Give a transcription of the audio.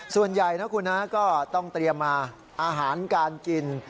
ส่วนใหญ่นะคุณนะก็ต้องเตรียมมาอาหารการกิน